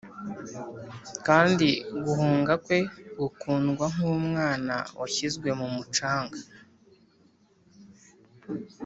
kandi guhunga kwe gukundwa nkumwana washyizwe mumucanga.